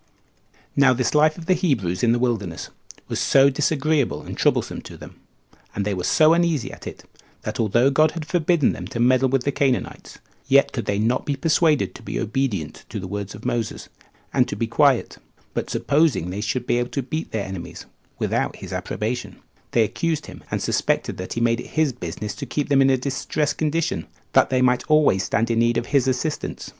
1. Now this life of the Hebrews in the wilderness was so disagreeable and troublesome to them, and they were so uneasy at it, that although God had forbidden them to meddle with the Canaanites, yet could they not be persuaded to be obedient to the words of Moses, and to be quiet; but supposing they should be able to beat their enemies, without his approbation, they accused him, and suspected that he made it his business to keep them in a distressed condition, that they might always stand in need of his assistance.